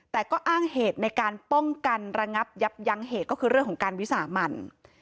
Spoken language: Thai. แต่ก็อ้างเหตุในการป้องกันระงับยับยั้งเหตุก็คือเรื่องของการวิสามัน